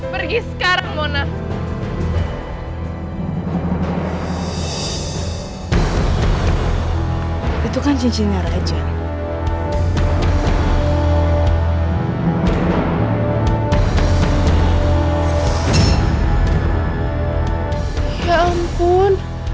pergi sekarang mona